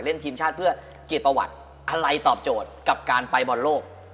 ทีมชาติเพื่อเกียรติประวัติอะไรตอบโจทย์กับการไปบอลโลก